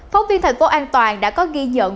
phóng viên thành phố an toàn đã có ghi nhận